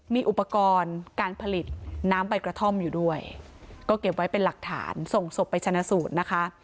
มีอุปกรณ์การผลิตน้ำใบกระท่อมอยู่ด้วยก็เก็บไว้เป็นหลักฐานส่งศพไปชนะสูตรนะคะ